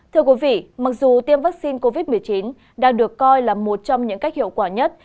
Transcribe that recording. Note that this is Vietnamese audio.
thưa quý vị mặc dù tiêm vaccine covid một mươi chín đang được coi là một trong những cách hiệu quả nhất